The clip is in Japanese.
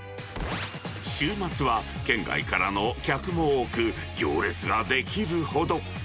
週末は県外からの客も多く、行列が出来るほど。